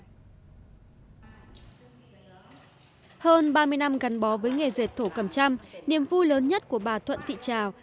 hơn ba mươi năm gắn bó với nghề dệt thổ cầm trăm niềm vui lớn nhất của bà thuận thị trào